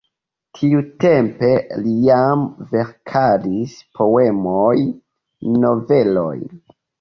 Tiutempe li jam verkadis poemojn, novelojn.